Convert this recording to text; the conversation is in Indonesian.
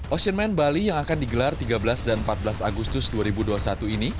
ocean man bali yang akan digelar tiga belas dan empat belas agustus dua ribu dua puluh satu ini